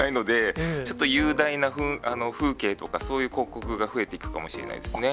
ちょっと雄大な風景とか、そういう広告が増えていくかもしれないですね。